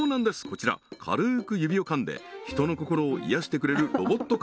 こちら軽く指を噛んで人の心を癒やしてくれるロボット